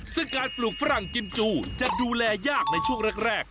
ซึ่งการปลูกฝรั่งจิมจูจะดูแลยากในช่วงแรก